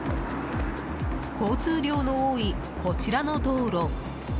交通量の多い、こちらの道路。